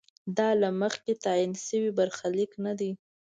دا له مخکې تعین شوی برخلیک نه دی.